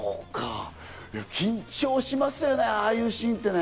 緊張しますよね、ああいうシーンってね。